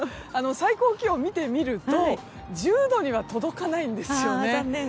最高気温を見てみると１０度には届かないんですね。